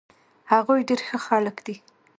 هغوي ډير ښه خلک دي